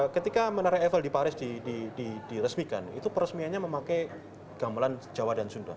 ketika menara eiffle di paris diresmikan itu peresmiannya memakai gamelan jawa dan sunda